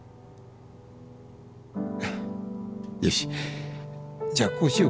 よしじゃあこうしようか。